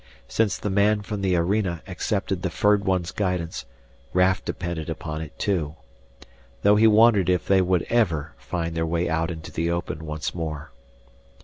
Since the man from the arena accepted the furred one's guidance, Raf depended upon it too. Though he wondered if they would ever find their way out into the open once more.